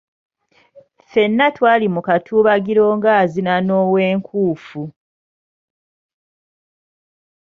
Ffenna twali mu katuubagiro nga azina n'ow'enkufu.